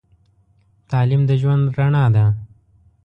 تعليم د ژوند رڼا ده.